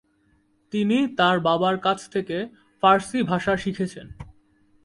তিনি তার বাবার কাছ থেকে ফারসি ভাষা শিখেছেন।